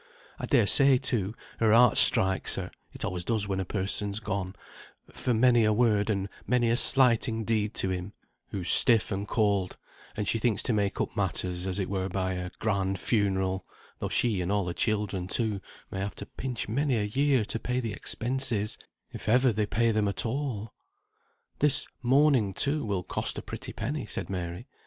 I dare say, too, her heart strikes her (it always does when a person's gone) for many a word and many a slighting deed to him, who's stiff and cold; and she thinks to make up matters, as it were, by a grand funeral, though she and all her children, too, may have to pinch many a year to pay the expenses, if ever they pay them at all." "This mourning, too, will cost a pretty penny," said Mary.